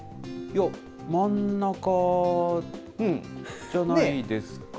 いや、真ん中じゃないですか？